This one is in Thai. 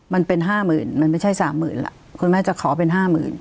มันเป็น๕๐๐๐๐บาทมันไม่ใช่๓๐๐๐๐บาทคุณแม่จะขอเป็น๕๐๐๐๐บาท